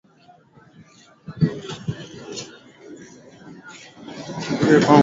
Ikumbukwe kwamba kabla Saleh Jabir hajatoa wimbo huo walikuwepo wasanii wa Kibongo waliokuwa